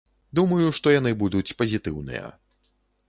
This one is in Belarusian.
Думаю, што яны будуць пазітыўныя.